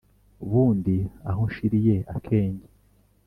bundi aho nshiriye akenge.